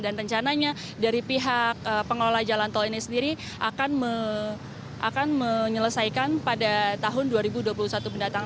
dan rencananya dari pihak pengelola jalan tol ini sendiri akan menyelesaikan pada tahun dua ribu dua puluh satu mendatang